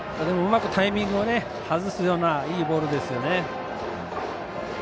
でもうまくタイミングを外すような、いいボールです。